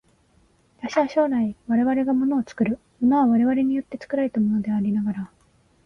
私は従来、我々が物を作る、物は我々によって作られたものでありながら、